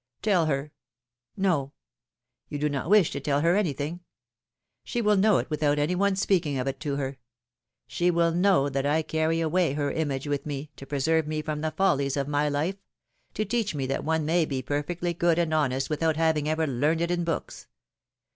Tell her — No! you do not wish to tell her any thing? She will know it without any one's speaking of it to her. She will know that I carry away her image with 192 PHILOMi:NE's MARRIAGES. me, to preserve me from the follies of my life; to teach me that one may be perfectly good and honest without having ever learned it in books.